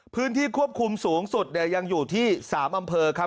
พื้นที่ควบคุมสูงสุดยังอยู่ที่๓อำเภอครับ